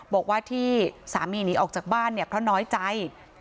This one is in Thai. บอกว่าที่สามีหนีออกจากบ้านเนี่ยเพราะน้อยใจ